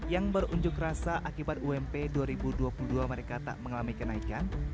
yang berunjuk rasa akibat ump dua ribu dua puluh dua mereka tak mengalami kenaikan